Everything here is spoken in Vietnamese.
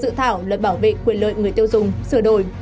dự thảo luật bảo vệ quyền lợi người tiêu dùng sửa đổi